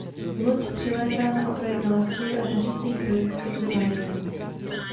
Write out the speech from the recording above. Loď přilétá na okraj Galaxie a daří se jí projít skrze bariéru.